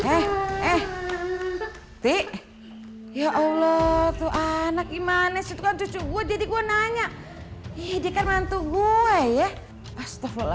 eh eh ya allah tuh anak gimana situ cucu gue jadi gue nanya ini kan mantu gue ya astagfirullah